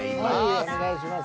はいお願いします。